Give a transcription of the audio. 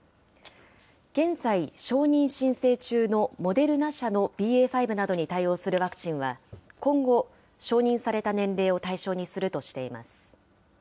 現在、承認申請中のモデルナ社のＢＡ．５などに対応するワクチンは、今後、承認された年齢を対象にするとしています。